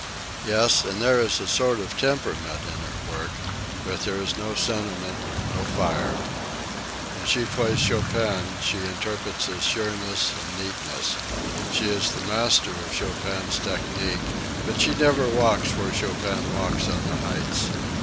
Yes, and there is a sort of temperament in her work, but there is no sentiment, no fire. When she plays Chopin, she interprets his sureness and neatness. She is the master of Chopin's technique, but she never walks where Chopin walks on the heights.